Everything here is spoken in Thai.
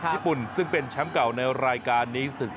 ญี่ปุ่นซึ่งเป็นแชมป์เก่าในรายการนี้ศึก